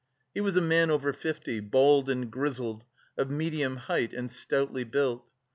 He was a man over fifty, bald and grizzled, of medium height, and stoutly built.